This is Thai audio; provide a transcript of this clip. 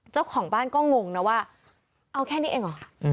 เจ้าของบ้านก็งงนะว่าเอาแค่นี้เองเหรอ